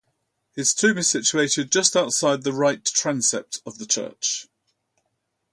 His tomb is situated just outside the right transept of the church.